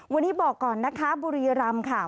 วันนี้บอกก่อนนะคะบุรีรำค่ะ